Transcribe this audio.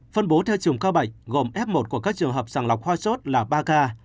phân bố theo chùm ca bệnh gồm f một của các trường hợp sàng lọc hoa sốt là ba ca